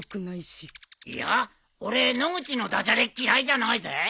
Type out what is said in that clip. いや俺野口の駄じゃれ嫌いじゃないぜ。